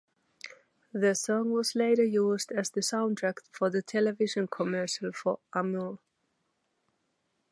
The song was later used as the soundtrack for the television commercial for Amul.